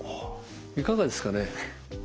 いかがですかね。